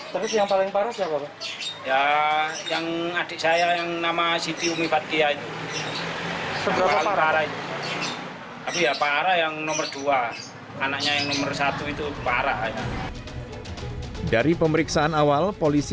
polisi merapakan kemampuan untuk mencari orang yang berada di rumah tersebut